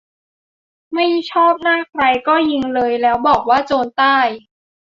"ไม่ชอบหน้าใครก็ยิงเลย แล้วบอกว่าโจรใต้"